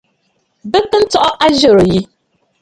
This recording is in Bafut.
Bɨ kɨ̀ tsɔʼɔ àzɨrə̀ yi.